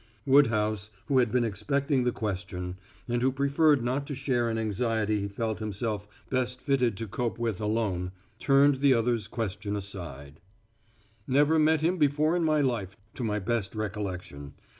Woodhouse, who had been expecting the question, and who preferred not to share an anxiety he felt himself best fitted to cope with alone, turned the other's question aside: "Never met him before in my life to my best recollection.